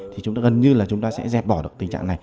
thì chúng ta gần như là chúng ta sẽ dẹp bỏ được tình trạng này